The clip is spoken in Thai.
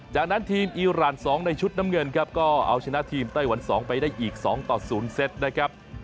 จากนั้นทีมอีราน๒ในชุดน้ำเงินครับก็เอาชนะทีมไต้หวัน๒ไปได้อีก๒ต่อ๐เซตนะครับ